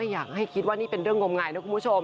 อยากให้คิดว่านี่เป็นเรื่องงมงายนะคุณผู้ชม